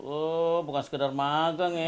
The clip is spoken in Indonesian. oh bukan sekedar magang ya